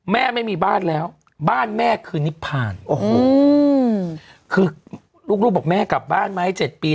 แม่ไม่มีบ้านแล้วบ้านแม่คือนิพพานอืมคือลูกลูกบอกแม่กลับบ้านมาให้เจ็ดปี